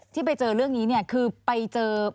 ที่ไปเจอเรื่องนี้เนี่ยคือไปเจอ